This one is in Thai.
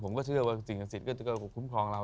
เชื่อว่าสิ่งศักดิ์สิทธิ์ก็จะคุ้มครองเรา